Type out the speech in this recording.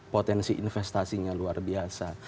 potensi investasinya luar biasa